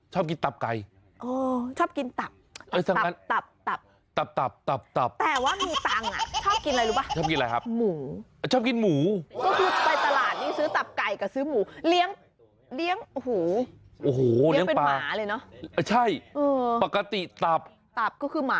ชอบกินตับไก่ชอบกินตับตับ